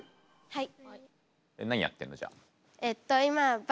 はい。